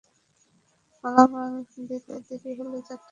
মালামাল দিতে দেরি হলে যাত্রীদের ছাদ থেকে ফেলে হত্যাও করছে তারা।